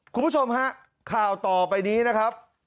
คุณผู้ชมฮะข่าวต่อไปนี้นะครับ